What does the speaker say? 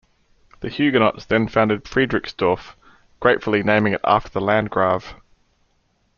The Huguenots then founded Friedrichsdorf, gratefully naming it after the Landgrave.